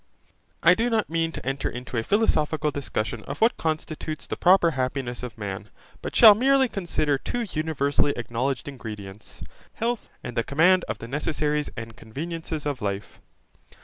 I do not mean to enter into a philosophical discussion of what constitutes the proper happiness of man, but shall merely consider two universally acknowledged ingredients, health, and the command of the necessaries and conveniences of life.